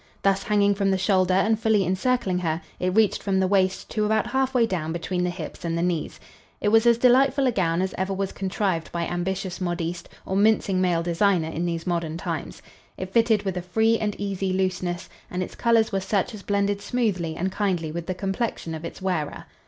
Thus hanging from the shoulder and fully encircling her, it reached from the waist to about half way down between the hips and the knees. It was as delightful a gown as ever was contrived by ambitious modiste or mincing male designer in these modern times. It fitted with a free and easy looseness and its colors were such as blended smoothly and kindly with the complexion of its wearer.